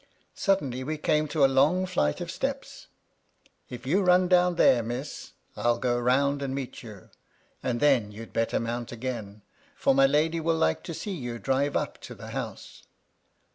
Suddenly we came to a long flight of steps. " If you'll run down there, Miss, I'll go round and meet you, and then you'd better mount again, for my lady will like to see you drive up to the house."